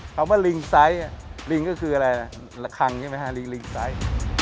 คำว่าลิงไซส์ลิงก็คืออะไรระคังใช่ไหมฮะลิงลิงไซส์